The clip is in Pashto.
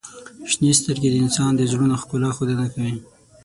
• شنې سترګې د انسان د زړونو ښکلا ښودنه کوي.